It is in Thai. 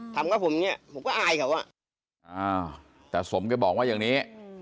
ทำก็ผมเนี่ยผมก็อายเขาแต่สมก็บอกว่าอย่างนี้